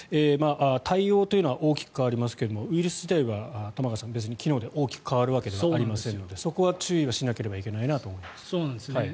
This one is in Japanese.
対応というのは大きく変わりますがウイルス自体は玉川さん別に昨日で大きく変わるわけではありませんのでそこは注意しなければいけないなと思います。